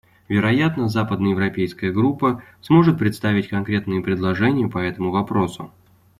Вероятно, Западноевропейская группа сможет представить конкретные предложения по этому вопросу.